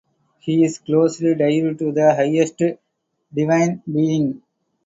He is closely tied to the highest divine being.